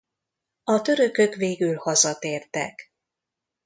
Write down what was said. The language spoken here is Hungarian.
A törökök végül hazatértek.